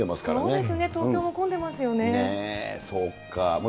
そうですね、東京も混んでまねぇ、そっか。